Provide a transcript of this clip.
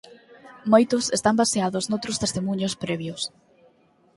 Moitos están baseados noutros testemuños previos.